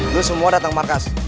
lu semua datang ke markas